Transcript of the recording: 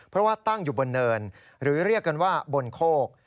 เพราะว่าตั้งอยู่บนเนินหรือเรียกกันว่าบนโคก